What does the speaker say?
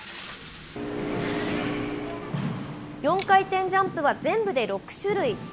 ４回転ジャンプは、全部で６種類。